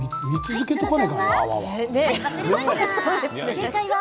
正解は。